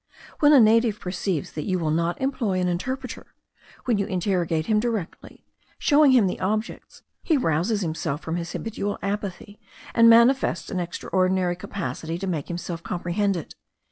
When a native perceives that you will not employ an interpreter; when you interrogate him directly, showing him the objects; he rouses himself from his habitual apathy, and manifests an extraordinary capacity to make himself comprehended.